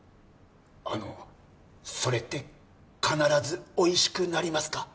あのそれって必ずおいしくなりますか？